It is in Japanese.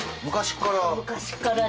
昔から？